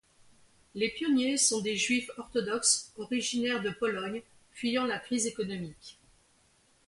Les pionniers sont des Juifs orthodoxes originaires de Pologne fuyant la crise économique.